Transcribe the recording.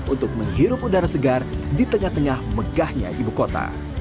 untuk menghirup udara segar di tengah tengah megahnya ibu kota